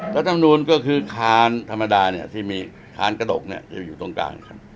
รัฐบาลนูนก็คือคานธรรมดาที่มีคานกระดกจะอยู่ตรงกลาง